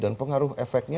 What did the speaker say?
dan pengaruh efeknya